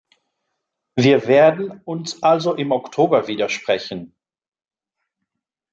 Wir werden uns also im Oktober wieder sprechen.